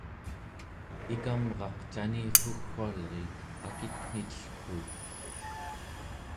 ikamrak canirruggualriik akitmitellruuk